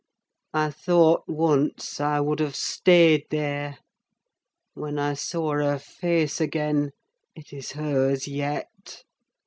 I thought, once, I would have stayed there: when I saw her face again—it is hers yet!